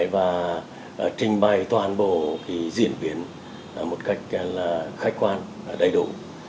và trình bày toàn bộ diễn biến một cách khách quan đầy đủ